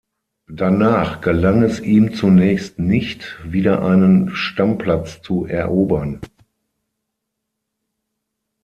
Danach gelang es ihm zunächst nicht, wieder einen Stammplatz zu erobern.